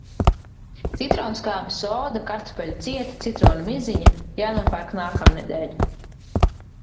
Citronskābe, soda, kartupeļu ciete, citrona miziņa - jānopērk nākamnedēļ.